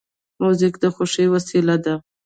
موزیک د خوښۍ وسیله ده.